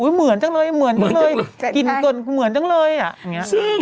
เหมือนจังเลย